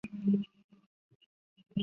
深色树皮纵裂。